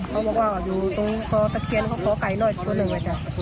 เขาบอกว่าอยู่ตรงต่อไม้ตะเคียนเขาขอไก่น้อยตัวเนอะจ้ะ